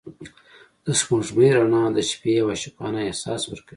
د سپوږمۍ رڼا د شپې یو عاشقانه احساس ورکوي.